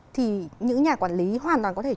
thì những nhà quản lý hoàn toàn có thể